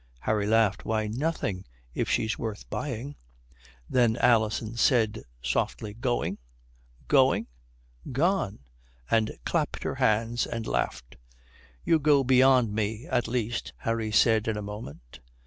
Harry laughed. "Why, nothing, if she's worth buying." Then Alison said softly, "Going going gone," and clapped her hands and laughed. "You go beyond me at least," Harry said in a moment.